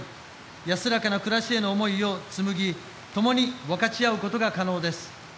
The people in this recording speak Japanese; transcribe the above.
安らかな暮らしへの思いを紡ぎ共に分かち合うことが可能です。